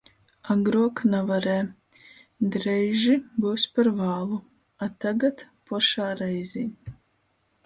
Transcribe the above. Agruok navarē, dreiži byus par vālu, a tagad - pošā reizī